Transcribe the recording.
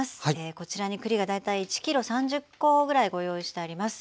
こちらに栗が大体１ｋｇ３０コぐらいご用意してあります。